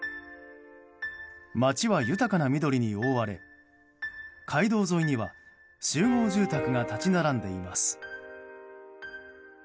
街は豊かな緑に覆われ街道沿いには集合住宅が立ち並んでいます。